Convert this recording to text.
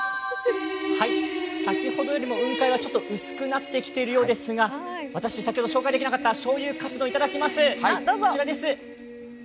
先ほどよりも雲海は薄くなってきているようですが、私、先ほど紹介できなかった醤油カツ丼いただきます。